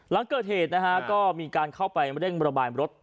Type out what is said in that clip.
หลังเกิดเหตุนะฮะก็มีการเข้าไปเร่งระบายรถ